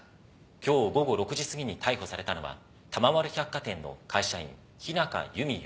今日午後６時すぎに逮捕されたのは玉丸百貨店の会社員日中弓容疑者３３歳です。